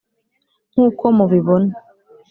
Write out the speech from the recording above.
nkuko mubibona.